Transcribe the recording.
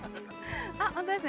あっ本当ですね。